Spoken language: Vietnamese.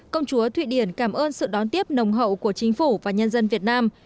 công chúa thụy điển cảm ơn sự đón tiếp nồng hậu của chính phủ và nhân dân việt nam